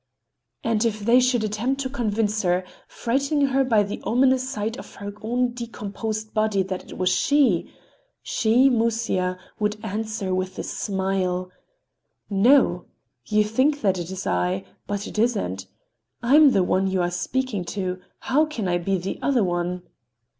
And if they should attempt to convince her, frightening her by the ominous sight of her own decomposed body, that it was she—she, Musya, would answer with a smile: "No. You think that it is I, but it isn't. I am the one you are speaking to; how can I be the other one?"